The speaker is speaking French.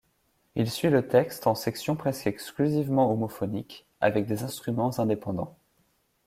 Il suit le texte en sections presque exclusivement homophoniques avec des instruments indépendants.